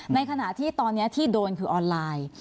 ในขณะที่ตอนนี้ที่โดนคือออนไลน์